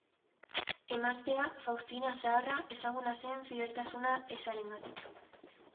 Emaztea, Faustina Zaharra ezaguna zen fideltasuna ezarengatik.